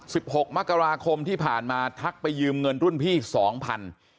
หกมกราคมที่ผ่านมาทักไปยืมเงินรุ่นพี่สองพัน